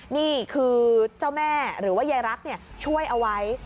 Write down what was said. นี่คือเจ้าแม่หรือว่ายายรักช่วยเอาไว้